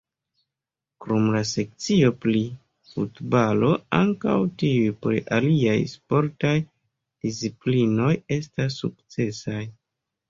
Krom la sekcio pri futbalo, ankaŭ tiuj pri aliaj sportaj disciplinoj estas sukcesaj.